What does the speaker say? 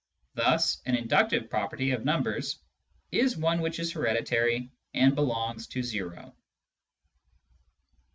Thus an inductive property of numbers is one which is hereditary and belongs to o.